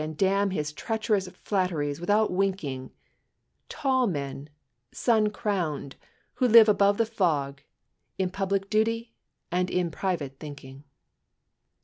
And damn his treacherous flatteries without, winking ; Tall men, sun crowned, who live above the fog In public duty, and in private thinking."